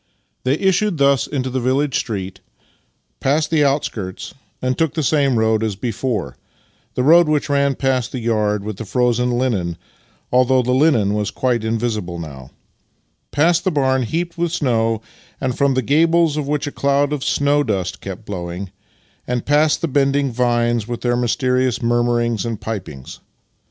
They issued thus into the village street, passed the outskirts, and took the same road as before — the road which ran past the yard with the frozen hnen (although the linen was quite invisible now), past the barn heaped with snow, and from the gables of which a cloud of snow dust kept blo\Nang, and past the bending vines with their mysterious murmurings and pipings.